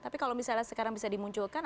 tapi kalau misalnya sekarang bisa dimunculkan